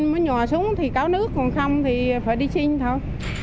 mới nhòa xuống thì cáo nước còn không thì phải đi xin thôi